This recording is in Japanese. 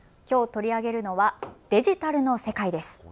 きょう取り上げるのはデジタルの世界です。